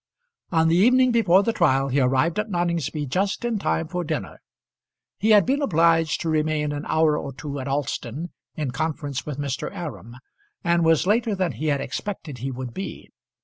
On the evening before the trial he arrived at Noningsby just in time for dinner. He had been obliged to remain an hour or two at Alston in conference with Mr. Aram, and was later than he had expected he would be.